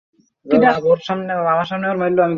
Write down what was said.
চুপ করো, আমাকে দেখতে একজন আবালের মত লাগছে।